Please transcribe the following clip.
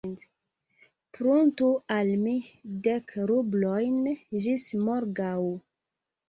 Pruntu al mi dek rublojn ĝis morgaŭ.